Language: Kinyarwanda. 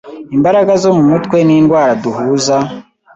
Imbaraga zo mumutwe nindwara duhuza